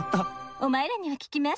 お前らには効きます。